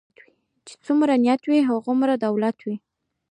چی څومره نيت وي هغومره دولت وي .